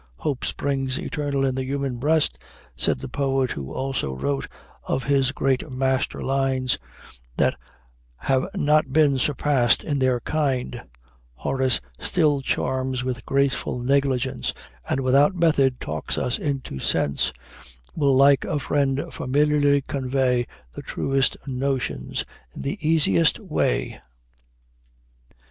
"Hope springs eternal in the human breast," said the poet who also wrote of his great master lines that have not been surpassed in their kind: "Horace still charms with graceful negligence, And without method talks us into sense, Will like a friend familiarly convey, The truest notions in the easiest way."